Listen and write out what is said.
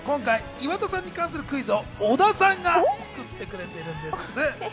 今回、岩田さんに関するクイズを小田さんが作ってくれてるんです。